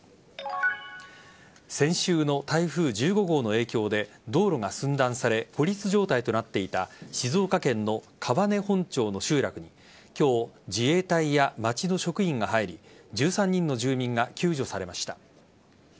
先週の台風１５号の影響で道路が寸断され孤立状態となっていた静岡県の川根本町の集落に今日、自衛隊や町の職員が入り１３人の住民が救助されました。